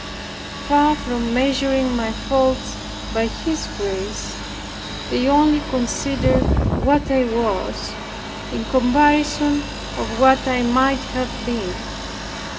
Far from measuring my faults by His graces, they only considered what I was, in comparison of what I might have been.